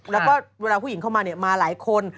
แล้วก็เวลาผู้หญิงเข้ามามาหลายคน